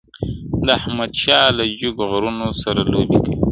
د احمدشاه له جګو غرونو سره لوبي کوي-